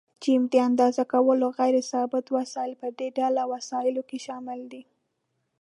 ج: د اندازه کولو غیر ثابت وسایل: په دې ډله وسایلو کې شامل دي.